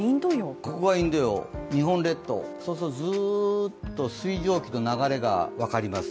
ここがインド洋、日本列島、そうするとずっと水蒸気の流れが分かります。